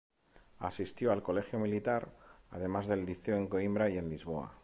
Asistió al Colegio Militar, además del Liceo en Coimbra y en Lisboa.